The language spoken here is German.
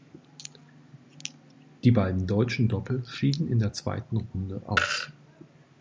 Die beiden deutschen Doppel schieden in der zweiten Runde aus.